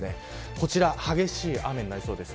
こちらは激しい雨になりそうです。